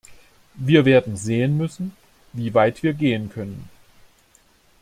Wir werden sehen müssen, wie weit wir gehen können.